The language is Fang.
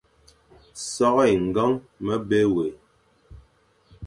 So é ñgeñ me be wé,